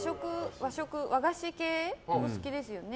和菓子系、お好きですよね。